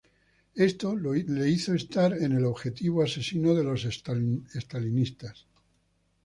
Esto le hizo estar en el objetivo asesino de los estalinistas.